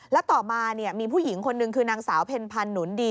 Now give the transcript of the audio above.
และต่อมาเนี่ยมีผู้หญิงคนนึงคือนางสาวเพลพันนุนดี